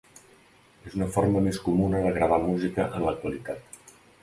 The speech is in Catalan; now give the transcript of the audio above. És la forma més comuna de gravar música en l'actualitat.